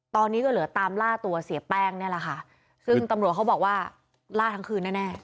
ตอนนี้ก็เหลือตามล่าตัวเสียแป้งนี่แหละค่ะซึ่งตำรวจเขาบอกว่าล่าทั้งคืนแน่แน่